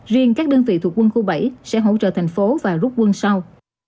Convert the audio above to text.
riêng các đơn vị thuộc quân khu bảy sẽ hỗ trợ thành phố và rút quân sau